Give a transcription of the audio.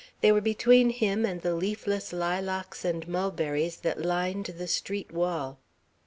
They were between him and the leafless lilacs and mulberries that lined the street wall.